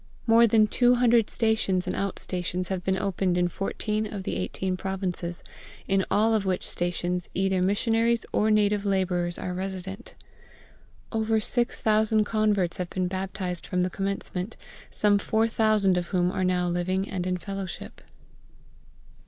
More than 200 stations and out stations have been opened in fourteen of the eighteen provinces, in all of which stations either missionaries or native labourers are resident. Over 6000 converts have been baptized from the commencement, some 4000 of whom are now living and in fellowship.